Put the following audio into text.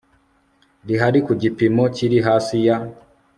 rihari ku gipimo kiri hasi ya